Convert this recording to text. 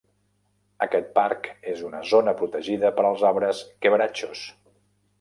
Aquest parc és una zona protegida per als arbres "quebrachos".